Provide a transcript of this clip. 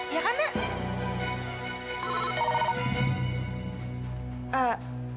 iya kan nek